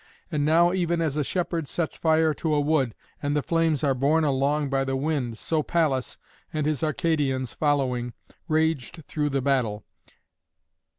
And now, even as a shepherd sets fire to a wood, and the flames are borne along by the wind, so Pallas, and his Arcadians following, raged through the battle.